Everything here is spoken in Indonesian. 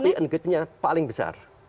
tapi engage nya paling besar